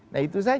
nah itu saja